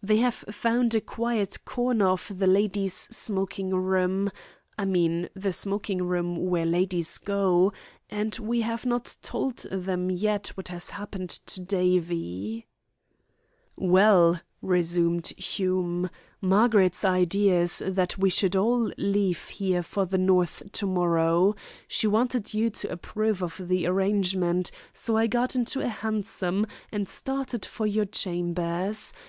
They have found a quiet corner of the ladies' smoking room I mean the smoking room where ladies go and we have not told them yet what has happened to Davie." "Well," resumed Hume, "Margaret's idea is that we should all leave here for the North to morrow. She wanted you to approve of the arrangement, so I got into a hansom and started for your chambers.